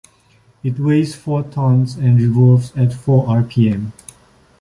It weighs four tons and revolves at four rpm.